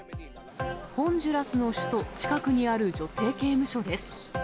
ホンジュラスの首都近くにある女性刑務所です。